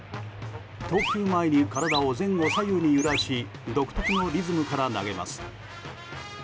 投球前に体を前後左右に揺らし独特のリズムから投げます。